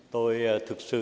tôi thật sự không biết